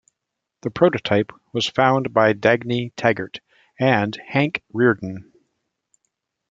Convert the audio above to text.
This prototype was found by Dagny Taggart and Hank Rearden.